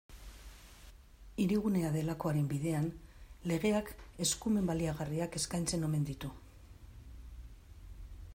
Hirigunea delakoaren bidean, legeak eskumen baliagarriak eskaintzen omen ditu.